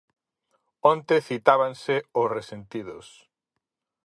Onte citábanse Os Resentidos.